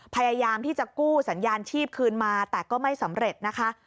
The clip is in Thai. พยายามที่จะกู้สัญญาณชีพคืนมาแต่ก็ไม่สำเร็จนะคะ